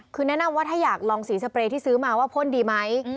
คือแนะนำว่าถ้าอยากลองสีสเปรย์ที่ซื้อมาว่าพ่นดีไหม